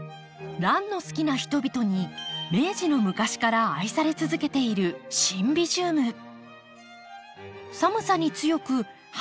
ランの好きな人々に明治の昔から愛され続けている寒さに強く花もちも抜群。